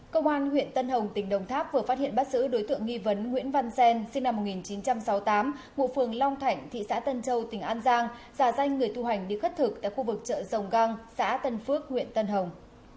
công an huyện tân hồng tỉnh đồng tháp vừa phát hiện bắt giữ đối tượng nghi vấn nguyễn văn xen sinh năm một nghìn chín trăm sáu mươi tám ngụ phường long thạnh thị xã tân châu tỉnh an giang giả danh người thu hành đi khất thực tại khu vực chợ rồng găng xã tân phước huyện tân hồng